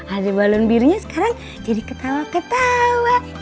ada balon birunya sekarang jadi ketawa ketawa